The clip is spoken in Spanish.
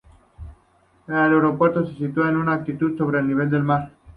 El aeropuerto se sitúa a una altitud de sobre el nivel del mar.